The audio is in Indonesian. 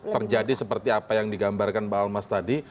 terjadi seperti apa yang digambarkan mbak almas tadi